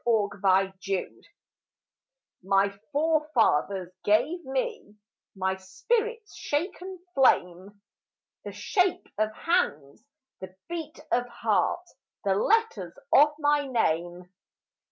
Driftwood My forefathers gave me My spirit's shaken flame, The shape of hands, the beat of heart, The letters of my name.